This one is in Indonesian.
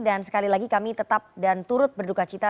dan sekali lagi kami tetap dan turut berduka cita